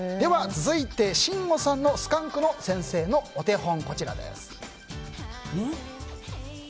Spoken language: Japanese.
続いてしんごさんのスカンクの先生のお手本、こちらです。